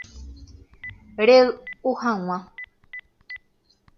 Rey'u hag̃ua.